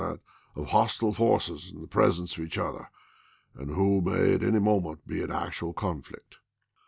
^*^ that of hostile forces in the presence of each other, i.', p'. 285. ' and who may at any moment be in actual conflict."